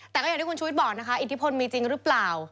แต่ก็อย่างที่คุณชุวิตบอกนะคะอิทธิพลมีจริงหรือเปล่า